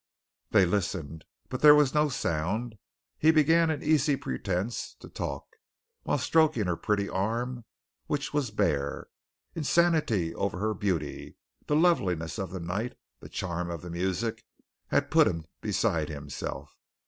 They listened, but there was no sound. He began an easy pretence to talk, the while stroking her pretty arm, which was bare. Insanity over her beauty, the loveliness of the night, the charm of the music, had put him beside himself.